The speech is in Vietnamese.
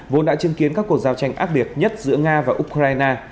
vốn đã chứng kiến các cuộc giao tranh ác liệt nhất giữa nga và ukraine